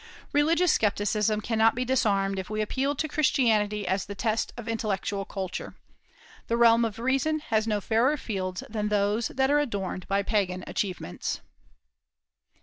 Religious scepticism cannot be disarmed if we appeal to Christianity as the test of intellectual culture. The realm of reason has no fairer fields than those that are adorned by Pagan achievements.